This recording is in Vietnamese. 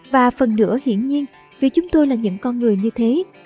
và phần nữa hiển nhiên vì chúng tôi là những con người như thế